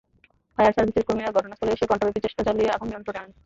Fire সার্ভিসের কর্মীরা ঘটনাস্থলে এসে ঘণ্টাব্যাপী চেষ্টা চালিয়ে আগুন নিয়ন্ত্রণে আনেন।